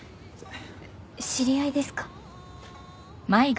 知り合いですか？